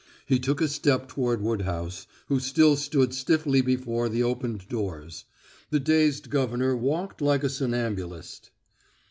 He took a step toward Woodhouse, who still stood stiffly before the opened doors; the dazed governor walked like a somnambulist.